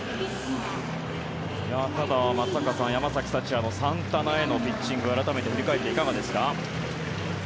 ただ、松坂さん山崎福也のサンタナへのピッチング改めて振り返っていかがですか？